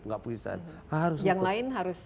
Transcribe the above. yang lain harus perbaiki